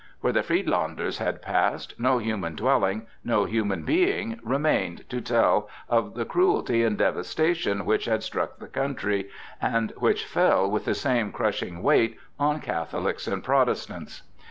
Where the Friedlanders had passed, no human dwelling, no human being remained to tell of the cruelty and devastation which had struck the country, and which fell with the same crushing weight on Catholics and Protestants.